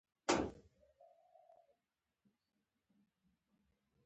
ایا ستاسو مینه به ګرمه وي؟